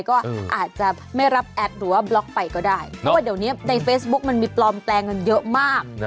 ก็อาจจะไม่รับแอดหรือว่าบล็อกไปก็ได้เพราะว่าเดี๋ยวนี้ในเฟซบุ๊กมันมีปลอมแปลงกันเยอะมาก